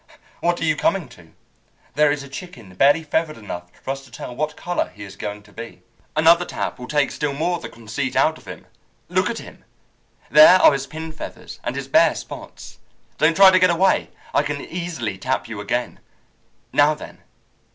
What are you coming to? There is a chicken barely feathered enough for us to tell what color he is going to be. "Another tap will take still more of the conceit out of him. Look at him! There are his pin feathers, and his bare spots. Don't try to get away; I can easily tap you again. Now then.